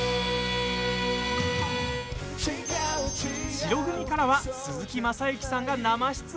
白組からは鈴木雅之さんが生出演！